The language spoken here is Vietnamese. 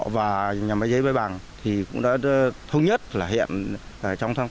và nhà máy giấy bái bằng thì cũng đã thông nhất là hiện trong tháng tám